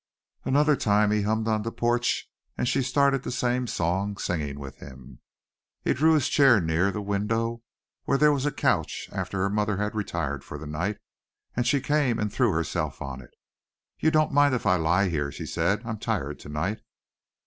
Another time he hummed on the porch and she started the same song, singing with him. He drew his chair near the window where there was a couch after her mother had retired for the night, and she came and threw herself on it. "You don't mind if I lie here?" she said, "I'm tired tonight."